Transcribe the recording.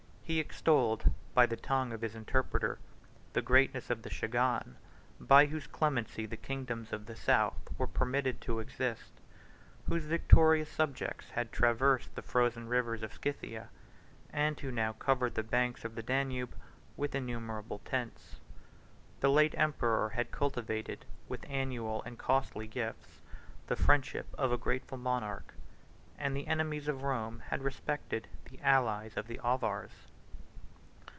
He extolled, by the tongue of his interpreter, the greatness of the chagan, by whose clemency the kingdoms of the South were permitted to exist, whose victorious subjects had traversed the frozen rivers of Scythia, and who now covered the banks of the Danube with innumerable tents. The late emperor had cultivated, with annual and costly gifts, the friendship of a grateful monarch, and the enemies of Rome had respected the allies of the Avars.